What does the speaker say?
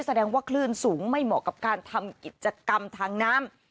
แสดงว่าคลื่นสูงไม่เหมาะกับการทำกิจกรรมทางน้ำ